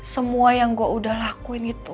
semua yang gue udah lakuin itu